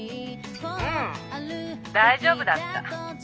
うん大丈夫だった。